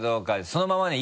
そのままね！